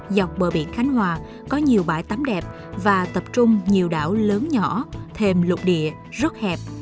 dọc bờ biển khánh hòa có nhiều bãi tắm đẹp và tập trung nhiều đảo lớn nhỏ thêm lục địa rất hẹp